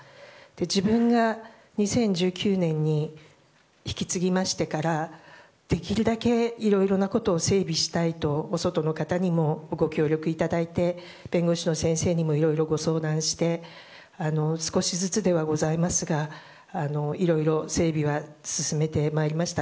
自分が２０１９年に引き継ぎましてからできるだけいろいろなことを整備したいとお外の方にもご協力いただいて弁護士の先生にもご相談して少しずつではありますがいろいろ整備は進めてまいりました。